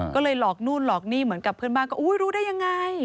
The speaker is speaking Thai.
ก็เลยหลอกนู่นหลอกนี่เหมือนกับเพื่อนบ้านก็อุ้ยรู้ได้ยังไง